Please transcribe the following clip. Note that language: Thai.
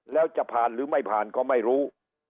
แล้วจะผ่านหรือไม่ผ่านก็ไม่รู้